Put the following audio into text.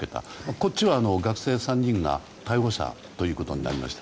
こっちは学生３人が逮捕者ということになりました。